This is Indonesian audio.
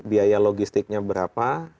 biaya logistiknya berapa